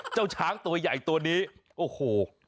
เจ้าช้างตัวใหญ่ตัวนี้โอ้โห